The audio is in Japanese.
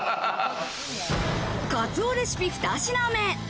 カツオレシピ、２品目。